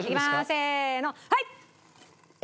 せーのはい！